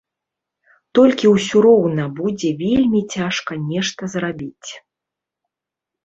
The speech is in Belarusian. Толькі ўсё роўна будзе вельмі цяжка нешта зрабіць.